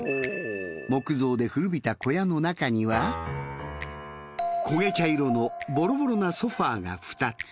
木造で古びた小屋の中には焦げ茶色のボロボロなソファが２つ。